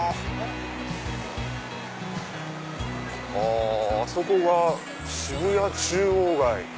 あそこが渋谷中央街。